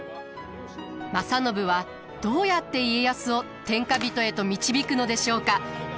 正信はどうやって家康を天下人へと導くのでしょうか？